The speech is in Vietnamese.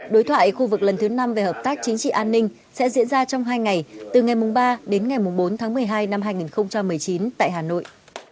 đối thoại khu vực lần thứ năm về hợp tác chính trị an ninh sẽ diễn ra trong hai ngày từ ngày ba đến ngày bốn tháng một mươi hai năm hai nghìn một mươi chín tại hà nội